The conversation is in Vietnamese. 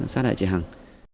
xác đại chị hằng